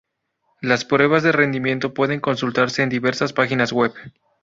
Las pruebas de rendimiento pueden consultarse en diversas páginas web.